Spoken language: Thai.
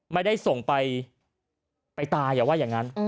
ไม่ได้ส่งไปไปตายอย่าว่าอย่างนั้น